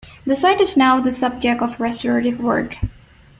The site is now the subject of restorative work.